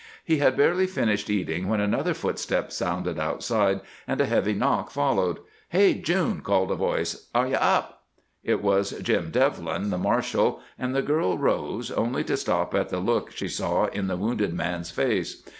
He had barely finished eating when another footstep sounded outside and a heavy knock followed. "Hey, June!" called a voice. "Are you up?" It was Jim Devlin, the marshal, and the girl rose, only to stop at the look she saw in the wounded man's face.